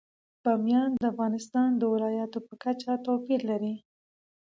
بامیان د افغانستان د ولایاتو په کچه توپیر لري.